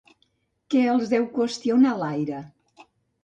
Que els deu qüestionar l'aire?